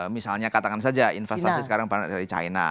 misalnya katakan saja investasi sekarang dari china